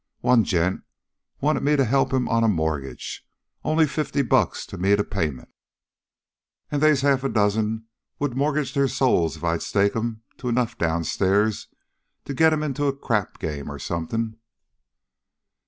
One gent wanted me to help him on a mortgage only fifty bucks to meet a payment. And they's half a dozen would mortgage their souls if I'd stake 'em to enough downstairs to get them into a crap game, or something."